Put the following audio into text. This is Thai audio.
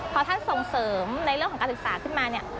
พอท่านส่งเสริมในเรื่องของการศึกษาขึ้นมาเนี่ย